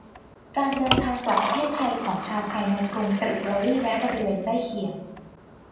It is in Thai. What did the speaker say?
การเดินทางกลับประเทศไทยของชาวไทยในกรุงตริโปลีและบริเวณใกล้เคียง